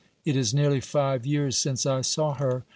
It is nearly five years since I saw her.